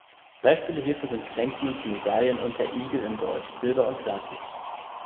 Beispiele hierfür sind Gedenkmünzen, Medaillen und der Eagle in Gold, Silber und Platin.